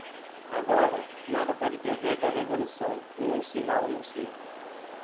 Agora, nada pode prever tal revolução, nenhum sinal anuncia.